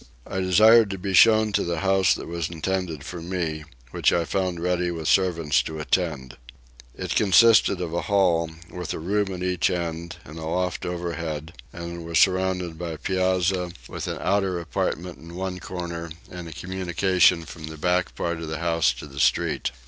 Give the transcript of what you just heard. I desired to be shown to the house that was intended for me, which I found ready with servants to attend. It consisted of a hall, with a room at each end, and a loft overhead; and was surrounded by a piazza with an outer apartment in one corner and a communication from the back part of the house to the street.